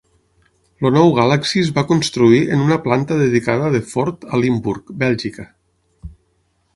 El nou Galaxy es va construir en una planta dedicada de Ford a Limburg, Bèlgica.